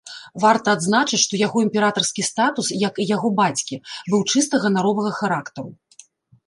Варта адзначыць, што яго імператарскі статус, як і яго бацькі, быў чыста ганаровага характару.